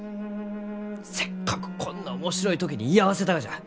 せっかくこんな面白い時に居合わせたがじゃ。